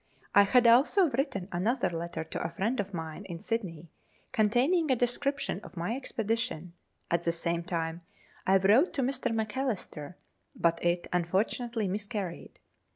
I had also written another letter to a friend of mine in Sydney, containing a description of my expedition; at the same time I wrote to Mr. Macalister, but it unfortunately miscarried.